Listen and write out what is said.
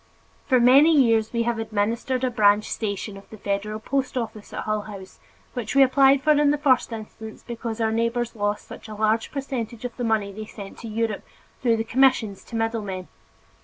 For many years we have administered a branch station of the federal post office at Hull House, which we applied for in the first instance because our neighbors lost such a large percentage of the money they sent to Europe, through the commissions to middle men.